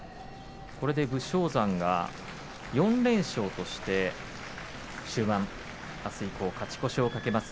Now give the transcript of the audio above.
これで武将山が４連勝として、終盤あす以降に勝ち越しをかけます